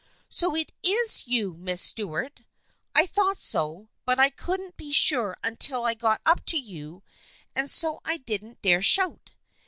" So it is you, Miss Stuart ! I thought so, but I couldn't be sure until I got up to you and so I didn't dare shout.